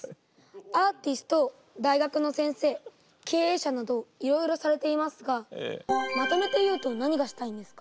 アーティスト大学の先生経営者などいろいろされていますがまとめて言うと何がしたいんですか？